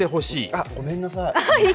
あっ、ごめんなさい。